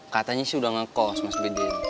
katanya sudah ngekos mas bidin